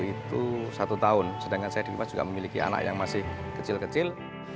itu satu tahun sedangkan saya di rumah juga memiliki anak yang masih kecil kecil